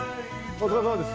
お疲れさまです。